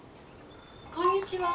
こんにちは。